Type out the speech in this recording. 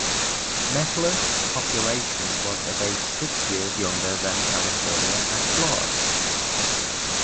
Mettler's population was about six years younger than California at large.